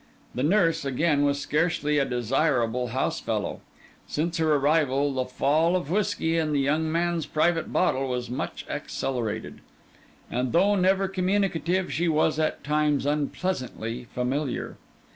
The nurse, again, was scarcely a desirable house fellow. Since her arrival, the fall of whisky in the young man's private bottle was much accelerated; and though never communicative, she was at times unpleasantly familiar.